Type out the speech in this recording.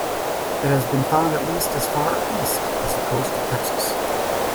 It has been found at least as far east as the coast of Texas.